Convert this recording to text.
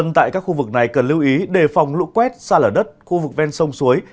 nhưng tại các khu vực này cần lưu ý đề phòng lũ quét xa lở đất khu vực ven sông suối